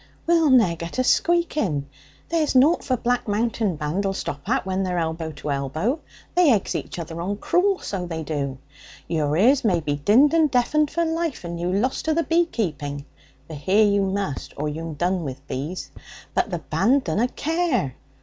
We'll ne'er get a squeak in. There's nought for Black Mountain Band'll stop at when they're elbow to elbow; they eggs each other on cruel, so they do! Your ears may be dinned and deafened for life, and you lost to the bee keeping (for hear you must, or you'm done, with bees), but the band dunna care!